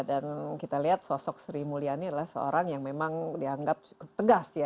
kita lihat sosok sri mulyani adalah seorang yang memang dianggap tegas ya